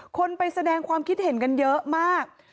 คนไปแสดงความคิดเห็นกันเยอะมาก